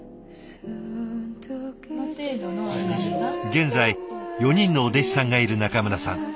現在４人のお弟子さんがいる中村さん。